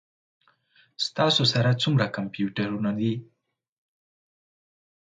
ستاسو سره څومره کمپیوټرونه دي؟